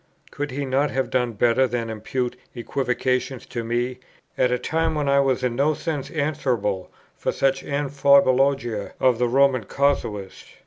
Could he not have done better than impute equivocations to me, at a time when I was in no sense answerable for the amphibologia of the Roman casuists?